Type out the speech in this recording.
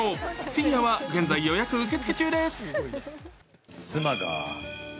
フィギュアは現在予約受付中です。